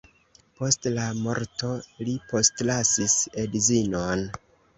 Post la morto li postlasis edzinon.